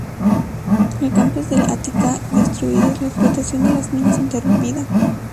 Los campos del Ática están destruidos, la explotación de las minas interrumpida.